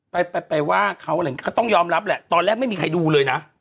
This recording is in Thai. ไปว่าต้องยอมรับแหละตอนแรกไม่มีใครดูเลยนะ